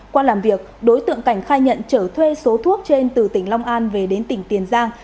qua làm việc đối tượng cảnh khai nhận trở thuê số thuốc trên từ tỉnh long an về đến tỉnh tiền giang